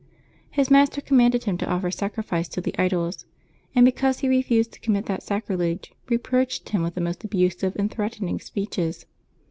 His master commanded him to offer sacrifice to the idols ; and because he refused to commit that sacrilege, reproached him with the most abusive and threatening speeches.